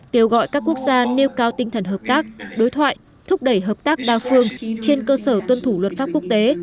kêu gọi các quốc gia nêu cao tinh thần hợp tác đối thoại thúc đẩy hợp tác đa phương trên cơ sở tuân thủ luật pháp quốc tế